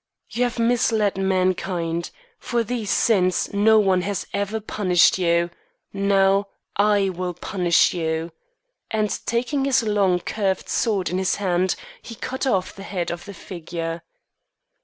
You have misled mankind. For these sins no one has ever punished you. Now I will punish you," and taking his long, curved sword in his hand he cut off the head of the figure.